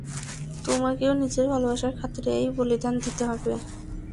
তোমাকেও নিজের ভালবাসার খাতিরে, এই বলিদান দিতে হবে।